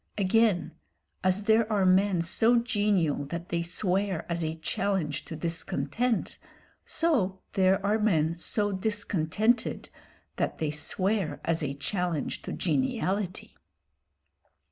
Again, as there are men so genial that they swear as a challenge to discontent, so there are men so discontented that they swear as a challenge to geniality.